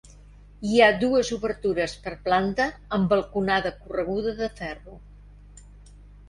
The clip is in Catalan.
Hi ha dues obertures per planta amb balconada correguda de ferro.